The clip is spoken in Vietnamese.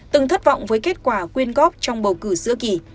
từng thất vọng với kết quả quyên góp trong bầu cử giữa kỳ